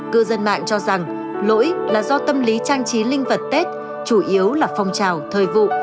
cư dân mạng cho rằng lỗi là do tâm lý trang trí linh vật tết chủ yếu là phong trào thời vụ